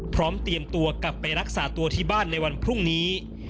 เตรียมตัวกลับไปรักษาตัวที่บ้านในวันพรุ่งนี้